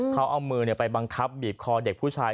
เขาเอามือไปบังคับบีบคอเด็กผู้ชาย